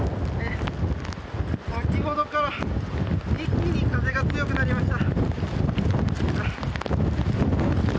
先ほどから一気に風が強くなりました。